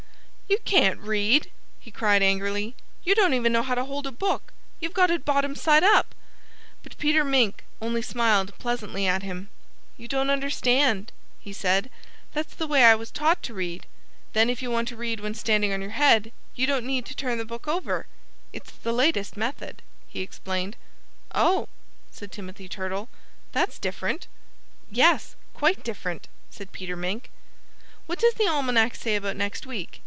"You can't read!" he cried angrily. "You don't even know how to hold a book. You've got it bottom side up!" But Peter Mink only smiled pleasantly at him. "You don't understand," he said. "That's the way I was taught to read. Then, if you want to read when standing on your head, you don't need to turn the book over.... It's the latest method," he explained. "Oh!" said Timothy Turtle. "That's different!" "Yes quite different!" said Peter Mink. "What does the Almanac say about next week?"